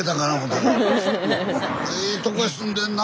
ええとこへ住んでんなあ。